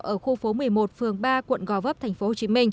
ở khu phố một mươi một phường ba quận gò vấp tp hcm